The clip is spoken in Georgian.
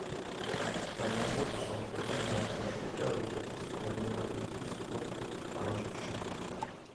თამაშობს სომხეთის ნაკრებში და რუსეთის პრემიერლიგის კლუბ „ანჟიში“.